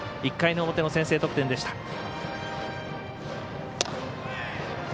１回の表の先制得点でした。